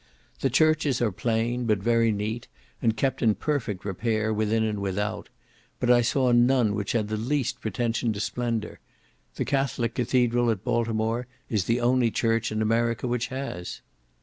The churches are plain, but very neat, and kept in perfect repair within and without; but I saw none which had the least pretension to splendour; the Catholic Cathedral at Baltimore is the only church in America which has.